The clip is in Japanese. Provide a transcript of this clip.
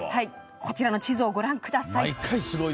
こちらの地図をご覧ください。